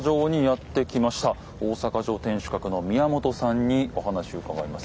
大阪城天守閣の宮本さんにお話を伺います。